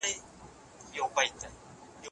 هغه ته د دې څانګې پلار ویل کیږي.